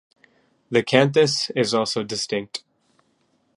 The canthus is also distinct.